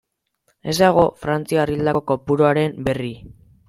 Ez dago frantziar hildako kopuruaren berri.